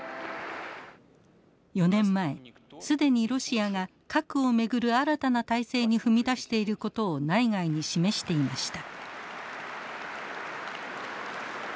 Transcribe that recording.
４年前既にロシアが核を巡る新たな態勢に踏み出していることを内外に示していました。